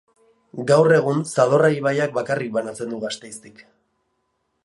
Gaur egun Zadorra ibaiak bakarrik banatzen du Gasteiztik.